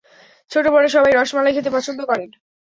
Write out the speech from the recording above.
ছোট-বড় সবাই রসমালাই খেতে পছন্দ করেন।